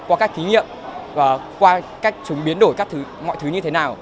qua các thí nghiệm và qua cách chúng biến đổi mọi thứ như thế nào